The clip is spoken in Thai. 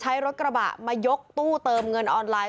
ใช้รถกระบะมายกตู้เติมเงินออนไลน์